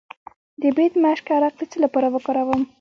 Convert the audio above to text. د بیدمشک عرق د څه لپاره وکاروم؟